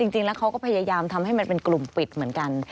จริงแล้วเขาก็พยายามทำให้มันเป็นกลุ่มปิดเหมือนกัน